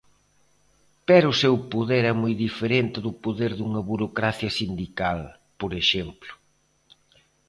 Pero o seu poder é moi diferente do poder dunha burocracia sindical, por exemplo.